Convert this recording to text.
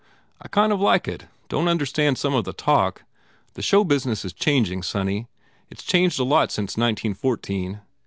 "I kind of like it. Don t understand some of the talk. The show business is changing, sonny. It s changed a lot since nineteen fourteen.